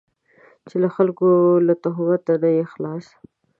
چې له خلکو له تهمته نه یې خلاص.